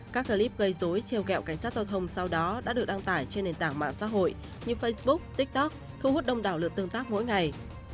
các clip gây dối trèo kẹo cảnh sát giao thông sau đó đã được đăng tải trên nền tảng mạng xã hội như facebook tiktok thu hút đông đảo lượt tương tác mỗi ngày